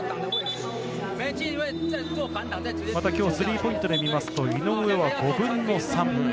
また今日、スリーポイントで見ますと、井上は５分の３。